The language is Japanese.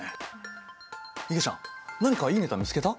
いげちゃん何かいいネタ見つけた？